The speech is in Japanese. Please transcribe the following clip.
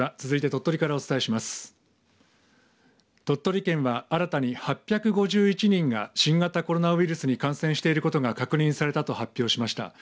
鳥取県は、新たに８５１人が新型コロナウイルスに感染していることが確認されたと発表しました。